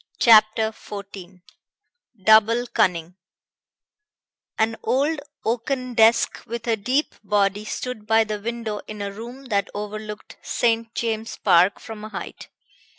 CHAPTER XIV DOUBLE CUNNING An old oaken desk with a deep body stood by the window in a room that overlooked St. James's Park from a height.